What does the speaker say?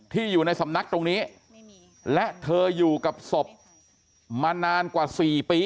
อยู่ในสำนักตรงนี้และเธออยู่กับศพมานานกว่า๔ปี